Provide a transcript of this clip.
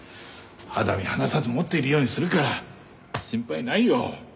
肌身離さず持っているようにするから心配ないよ。